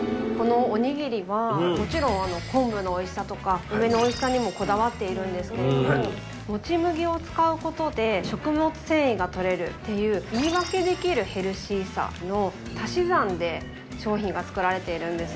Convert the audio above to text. もちろん昆布のおいしさとか梅のおいしさにもこだわっているんですけれどももち麦を使うことで食物繊維がとれるっていう言い訳できるヘルシーさの足し算で商品が作られているんです